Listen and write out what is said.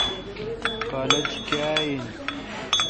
کالج کاں این۔